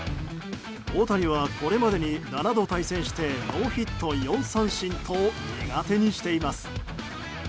大谷はこれまでに７度対戦してノーヒット、４三振と苦手にしています。